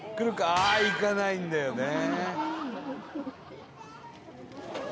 ああいかないんだよね